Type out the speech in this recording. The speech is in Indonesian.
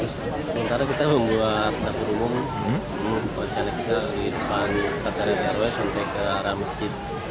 sekarang kita membuat dapur umum untuk rencana kita di depan sekatan rw sampai ke arah masjid